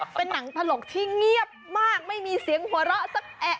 เป็นหนังตลกที่เงียบมากไม่มีเสียงหัวเราะสักแอะ